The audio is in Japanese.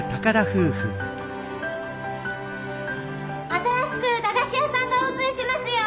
新しく駄菓子屋さんがオープンしますよ！